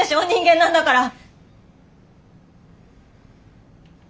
人間なんだから！